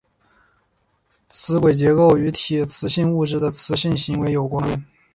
磁矩结构与铁磁性物质的磁性行为有关。